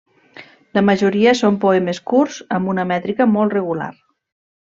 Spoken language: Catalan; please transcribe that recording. La majoria són poemes curts amb una mètrica molt regular.